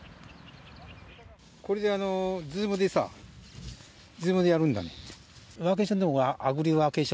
これでＺｏｏｍでさＺｏｏｍでやるんだね。